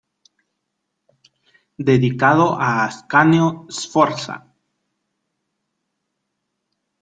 Dedicado a Ascanio Sforza.